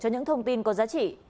cho những thông tin có giá trị